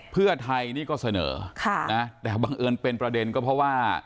เพื่อไทยนี่ก็เสนอแต่บังเอิญเป็นประเด็นก็เพราะว่า